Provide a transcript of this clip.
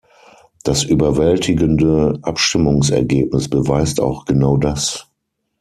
Das überwältigende Abstimmungsergebnis beweist auch genau das.